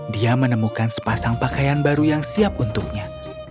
dia menemukan sepasang pakaian baru yang siap untuknya